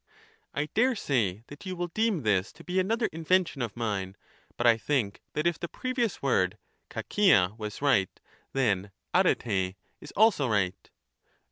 I daresay that you will deem this to be another invention of mine, but I think that if the previous word KOKla was right, then dperr] is also right.